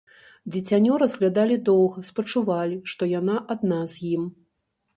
Дзіцянё разглядалі доўга, спачувалі, што яна адна з ім.